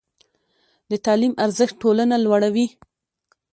د تعلیم ارزښت ټولنه لوړوي.